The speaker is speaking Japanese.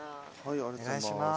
お願いします